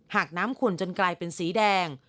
หากน้ำขวนจนกลายเป็นสีแดง